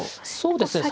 そうですね。